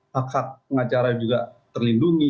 hak hak pengacara juga terlindungi